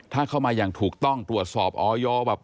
ถ้าเข้ามาอย่างถูกต้องตรวจสอบออยแบบ